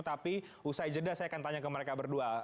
tapi usai jeda saya akan tanya ke mereka berdua